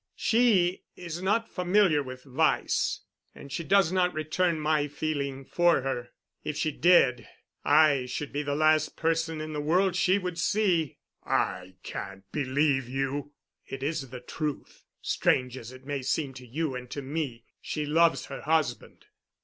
She is not familiar with vice, and she does not return my feeling for her. If she did, I should be the last person in the world she would see——" "I can't believe you." "It is the truth. Strange as it may seem to you and to me, she loves her husband."